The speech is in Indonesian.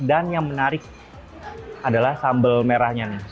dan yang menarik adalah sambal merahnya nih